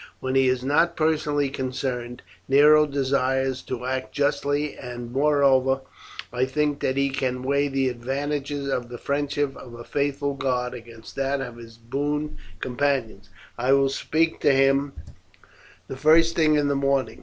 When he is not personally concerned, Nero desires to act justly, and moreover, I think that he can weigh the advantages of the friendship of a faithful guard against that of his boon companions. I will speak to him the first thing in the morning.